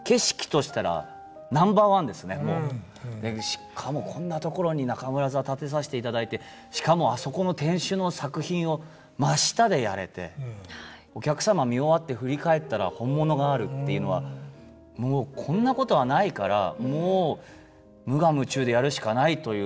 しかもこんなところに中村座建てさせていただいてしかもあそこの天守の作品を真下でやれてお客様見終わって振り返ったら本物があるっていうのはもうこんなことはないからもう無我夢中でやるしかないというのを気持ちで。